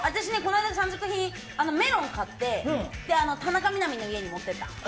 産直品でメロン買って田中みな実の家に持ってた。